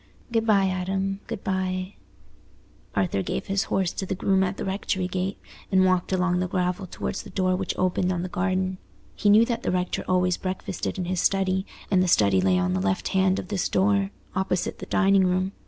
"Good bye, Adam, good bye." Arthur gave his horse to the groom at the rectory gate, and walked along the gravel towards the door which opened on the garden. He knew that the rector always breakfasted in his study, and the study lay on the left hand of this door, opposite the dining room.